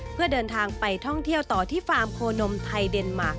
เพื่อเดินทางไปท่องเที่ยวต่อที่ฟาร์มโคนมไทยเดนมาร์